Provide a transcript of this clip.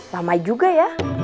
lama juga ya